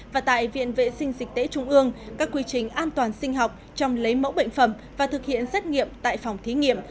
và tại viện vệ sinh dịch tễ trung ương các quy trình an toàn sinh học trong lấy mẫu bệnh phẩm và thực hiện xét nghiệm tại phòng thí nghiệm